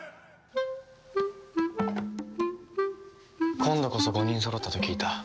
今度こそ５人そろったと聞いた。